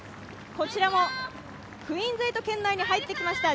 こちらもクイーンズ８圏内に入ってきました。